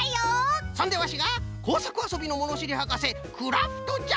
そんでワシがこうさくあそびのものしりはかせクラフトじゃ。